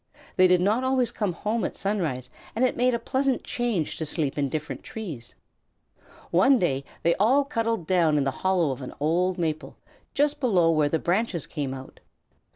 They did not always come home at sunrise, and it made a pleasant change to sleep in different trees. One day they all cuddled down in the hollow of an old maple, just below where the branches come out.